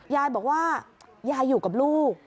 ยายบอกว่ายายอยู่กับลูก